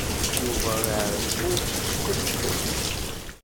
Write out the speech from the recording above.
Yuba iɛeyyu s tefses.